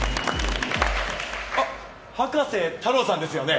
あ、葉加瀬太郎さんですよね。